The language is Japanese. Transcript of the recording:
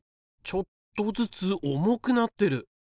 ちょっとずつ重くなってる！